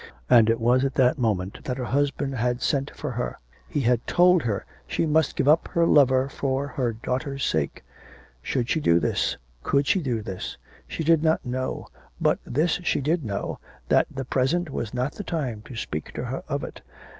And it was at that moment that her husband had sent for her. He had told her she must give up her lover for her daughter's sake. Should she do this? Could she do this? She did not know. But this she did know, that the present was not the time to speak to her of it.